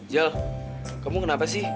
jel kamu kenapa sih